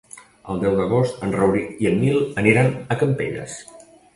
El deu d'agost en Rauric i en Nil aniran a Campelles.